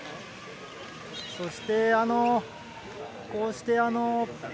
そして、こうして。